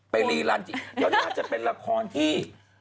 ไปรีลันอย่างนี้อาจจะเป็นละครที่